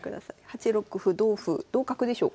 ８六歩同歩同角でしょうか？